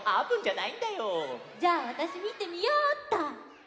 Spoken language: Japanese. じゃあわたしみてみようっと。